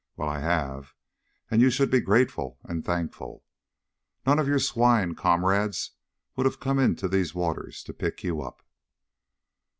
Well, I have, and you should be very grateful and thankful. None of your swine comrades would have come into these waters to pick you up."